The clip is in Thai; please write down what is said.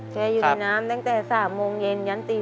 อยู่ในน้ำตั้งแต่๓โมงเย็นยันตี